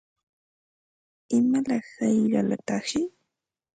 ¿Imalaq hayqalataqshi?